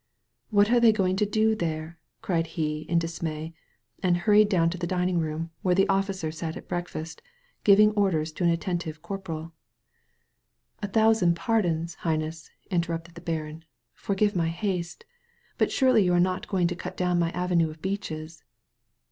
"What are they going to do there?" cried he in dismay, and hurried down to the dining room, where the officers sat at breakfast, giving orders to an attentive corx>oral. 56 A SANCTUARY OF TREES ^'A thousand pardons. Highness/' interrupted the baron; "forgive my haste. But surely you are not going to cut down my avenue of beeches?''